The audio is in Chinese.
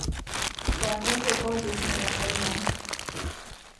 在公会高级成员雷文。